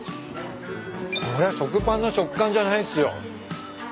これ食パンの食感じゃないっすよ。